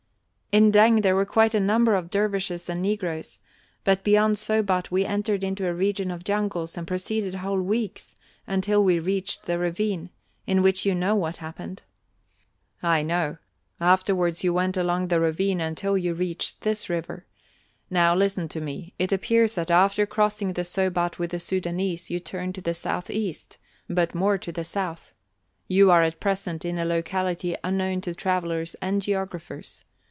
"In Deng there were quite a number of dervishes and negroes. But beyond Sobat we entered into a region of jungles and proceeded whole weeks until we reached the ravine, in which you know what happened " "I know. Afterwards you went along the ravine until you reached this river. Now listen to me; it appears that after crossing the Sobat with the Sudânese you turned to the southeast, but more to the south. You are at present in a locality unknown to travelers and geographers.